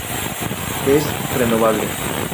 Es "renovable.